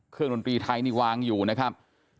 เครื่องดนตรีไทยนี่วางอยู่นะครับ